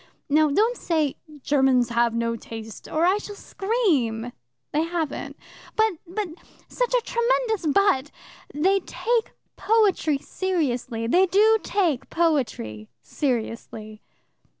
Now don't say 'Germans have no taste,' or I shall scream. They haven't. But but such a tremendous but! they take poetry seriously. They do take poetry seriously.